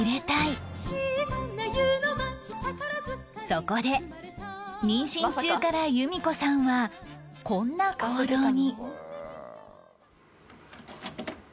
そこで妊娠中から由見子さんはこんな行動に